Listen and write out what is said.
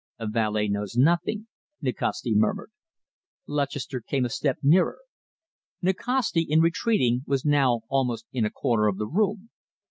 "A valet knows nothing," Nikasti murmured. Lutchester came a step nearer. Nikasti, in retreating, was now almost in a corner of the room.